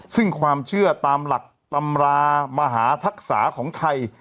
ซึ่งความเชื่อตามหลักตำรามหาทักษะของไทย